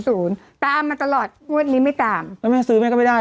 ศูนย์ตามมาตลอดวันนี้ไม่ตามแล้วไม่ซื้อไม่ก็ไม่ได้